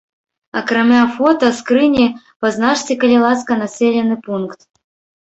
Акрамя фота скрыні пазначце, калі ласка населены пункт.